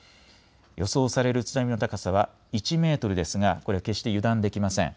予想される津波の高さは１メートルですがこれは決して油断できません。